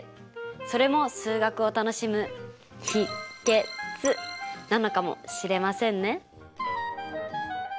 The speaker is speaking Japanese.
それも数学を楽しむなのかもしれませんね。